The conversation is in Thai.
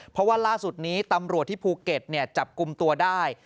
เพราะว่าล่าสุดนี้ตำรวจที่ภูเก็ตจับกลุ่มตัวได้